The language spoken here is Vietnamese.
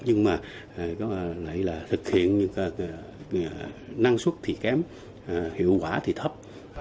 nhưng mà có lẽ là thực hiện năng suất thì kém hiệu quả thì thấp